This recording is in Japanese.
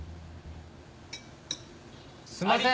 すんません